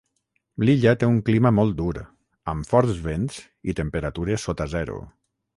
L'illa té un clima molt dur, amb forts vents i temperatures sota zero.